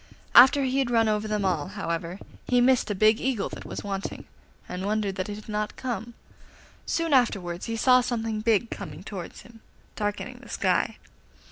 After he had run over them all, however, he missed a big Eagle that was wanting, and wondered that it had not come. Soon afterwards he saw something big coming towards him, darkening the sky.